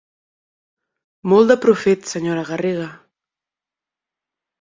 Molt de profit, senyora Garriga.